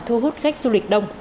thu hút khách du lịch đông